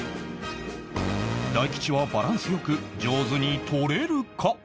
大吉はバランス良く上手に取れるか？